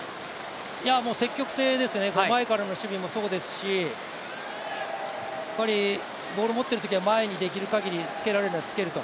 もう積極性ですよね、前からの守備もそうですし、ボール持っているときは前にできるかぎり、つけられるならつけると。